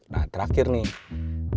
nah terakhir nih